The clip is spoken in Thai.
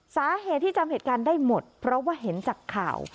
สาเหตุที่จำเหตุการณ์ได้หมดเพราะว่าเห็นจากข่าว